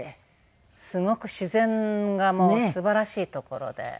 すごく自然がもう素晴らしい所で。